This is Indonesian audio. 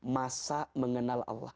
masa mengenal allah